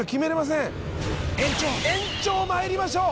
延長参りましょう。